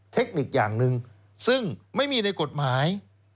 เทคนิคอย่างหนึ่งซึ่งไม่มีในกฎหมาย